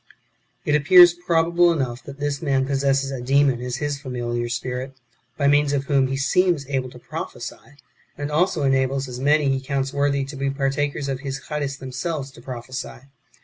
3. It appears probable enough that this man possesses a demon as his familiar spirit, by means of whom he seems able to prophesy, and also enables as many as he counts worthy to be partakers of his Charis themselves to prophesy.